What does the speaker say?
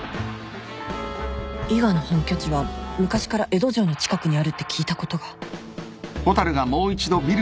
伊賀の本拠地は昔から江戸城の近くにあるって聞いたことが